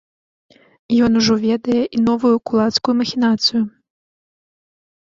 Ён ужо ведае і новую кулацкую махінацыю.